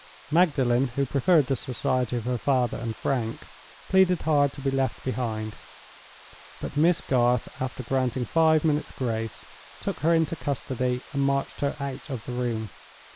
Magdalen, who preferred the society of her father and Frank, pleaded hard to be left behind; but Miss Garth, after granting five minutes' grace, took her into custody and marched her out of the room.